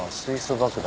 爆弾。